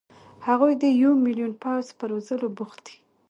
هغوی د یو ملیون پوځ په روزلو بوخت دي.